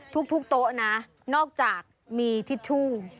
ทุกโต๊ะนะนอกจากมีทิชชู่